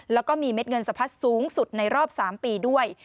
แล้วก็มีเม็ดเงินสะพัดสูงสุดในรอบ๓ปีด้วย